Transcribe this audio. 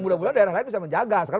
ya mudah mudahan daerah lain bisa menjaga